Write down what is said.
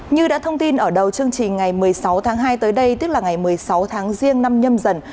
như đã thông tin ở đầu chương trình ngày một mươi sáu tháng hai tới đây tức là ngày một mươi sáu tháng riêng năm nhâm dần